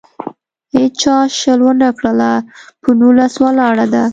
هیچا شل نه کړله. په نولس ولاړه ده.